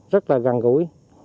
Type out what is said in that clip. rất là gần gũi